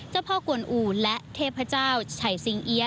เจ้าพ่อกวนอู่และเทพเจ้าชัยสิงเอี๊ย